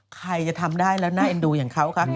ใครจะทำได้แล้วน่าเอ็นดูอย่างเขาคะ